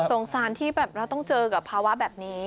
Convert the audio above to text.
สงสารที่แบบเราต้องเจอกับภาวะแบบนี้